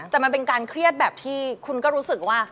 แต่มันเป็นการเครียดแบบที่คุณก็รู้สึกว่า